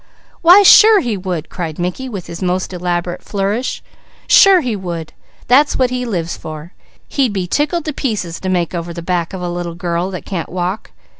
"Why sure he would!" cried Mickey with his most elaborate flourish. "Sure he would! That's what he lives for. He'd be tickled to pieces to make over the back of a little girl that can't walk.